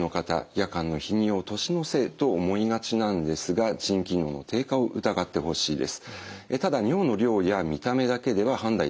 夜間の頻尿を年のせいと思いがちなんですが腎機能の低下を疑ってほしいです。